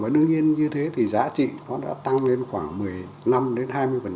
đương nhiên như thế thì giá trị nó đã tăng lên khoảng một mươi năm đến hai mươi